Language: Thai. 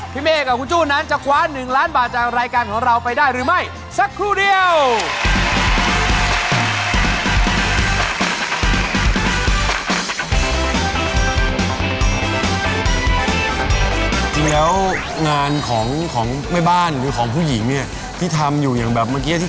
ที่แม่นยังบีดอยู่ข้างใน